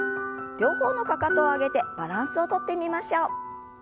両方のかかとを上げてバランスをとってみましょう。